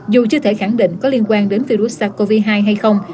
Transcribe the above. dù chưa thể khẳng định có liên quan đến virus sars cov hai hay không